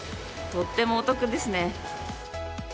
とってもお得ですね。